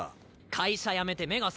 会社辞めて目が覚めた。